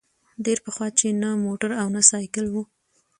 ډېر پخوا چي نه موټر او نه سایکل وو